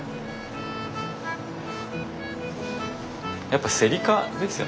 やっぱセリ科ですよね。